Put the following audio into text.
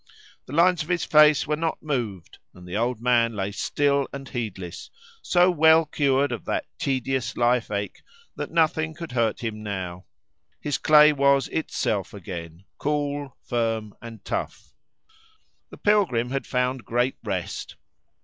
The lines of his face were not moved, and the old man lay still and heedless, so well cured of that tedious life ache, that nothing could hurt him now. His clay was itself again—cool, firm, and tough. The pilgrim had found great rest.